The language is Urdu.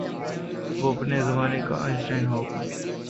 وہ اپنے زمانے کا آئن سٹائن ہو گا۔